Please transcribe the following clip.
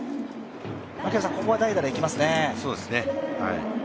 ここは代打でいきますね。